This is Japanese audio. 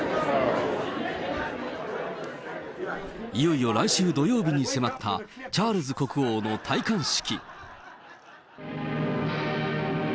いよいよ来週土曜日に迫った、チャールズ国王の戴冠式。